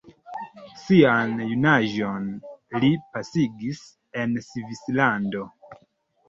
Sian junaĝon li pasigis en Svislando.